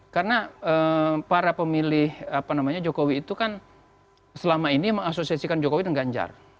karena para pemilih jokowi itu kan selama ini mengasosiasikan jokowi dengan ganjar